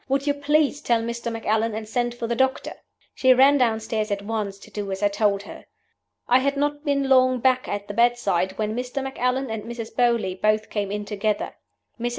Would you please tell Mr. Macallan, and send for the doctor?' She ran downstairs at once to do as I told her. "I had not been long back at the bedside when Mr. Macallan and Mrs. Beauly both came in together. Mrs.